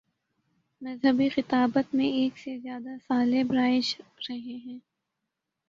مذہبی خطابت میں ایک سے زیادہ اسالیب رائج رہے ہیں۔